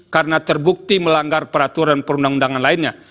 karena terbukti melanggar peraturan perundang undangan lainnya